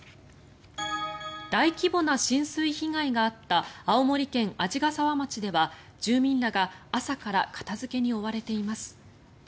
大規模な浸水被害があった青森県鰺ヶ沢町では住民らが朝から片付けに追われています。